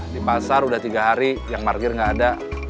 di pasar udah tiga hari yang margir gak ada